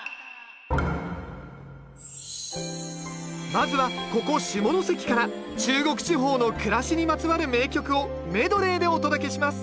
まずはここ下関から中国地方の暮らしにまつわる名曲をメドレーでお届けします